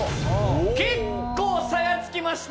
結構差がつきました。